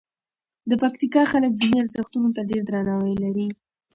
د پکتیکا خلک دیني ارزښتونو ته ډېر درناوی لري.